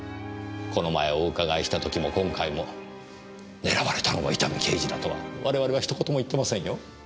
この前お伺いした時も今回も狙われたのは伊丹刑事だとは我々は一言も言ってませんよ。